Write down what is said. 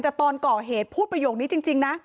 แต่ตอนก่อเหตุพูดประโยคนี้จริงนะ